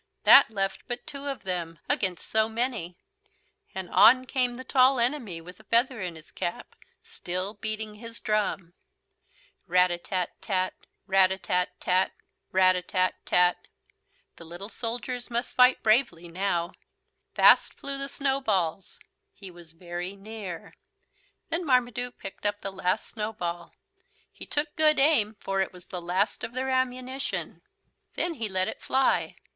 That left but two of them against so many and on came the Tall Enemy with the feather in his cap, still beating his drum. Rat a tat tat. Rat a tat tat. Rat a tat tat. The little soldiers must fight bravely now. Fast flew the snowballs. He was very near. Then Marmaduke picked up the last snowball. He took good aim for it was the last of their ammunition. Then he let it fly.